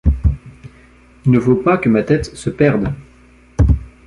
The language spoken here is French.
Il ne faut pas que ma tête se perde!...